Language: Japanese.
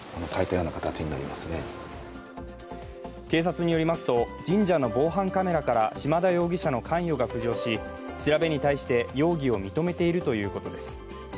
警察によりますと神社の防犯カメラから島田容疑者の関与が浮上し調べに対して容疑を認めているということです。